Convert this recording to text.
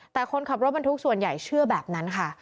แต่คนขับรถบรรทุกส่วนใหญ่เชื่อแบบนั้นค่ะ